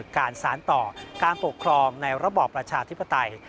การสารต่อการปกครองในระบอบประชาธิปไตย